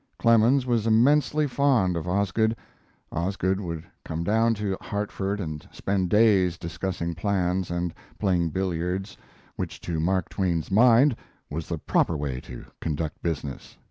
Clemens was immensely fond of Osgood. Osgood would come down to Hartford and spend days discussing plans and playing billiards, which to Mark Twain's mind was the proper way to conduct business.